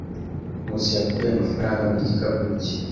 Nkusi yakuye amafaranga mu gikapu cye.